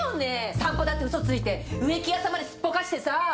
散歩だって嘘ついて植木屋さんまですっぽかしてさぁ。